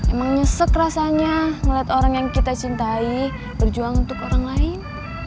emang nyesek rasanya ngeliat orang yang kita cintai berjuang untuk orang lain